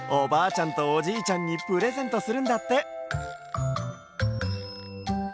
ちゃんとおじいちゃんにプレゼントするんだって。